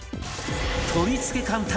取り付け簡単！